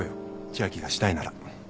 千明がしたいなら。